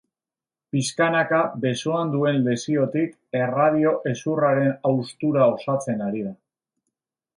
Piskanaka besoan duen lesiotik, erradio hezurraren haustura osatzen ari da.